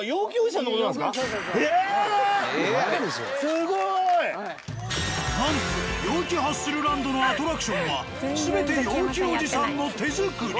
すごい！なんと陽気ハッスルランドのアトラクションは全て陽気おじさんの手作り。